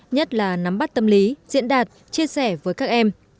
nhất là nắm bắt tâm lý diễn đạt chia sẻ với các em